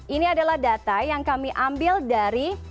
ini adalah data yang kami ambil dari